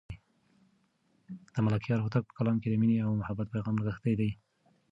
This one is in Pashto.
د ملکیار هوتک په کلام کې د مینې او محبت پیغام نغښتی دی.